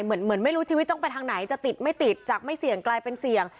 เหมือนไม่รู้ชีวิตต้องไปทางไหนจะติดไม่ติดจากไม่เสี่ยงกลายเป็นเสี่ยง